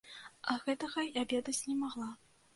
А гэтага я ведаць не магла.